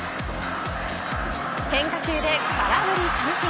変化球で空振り三振。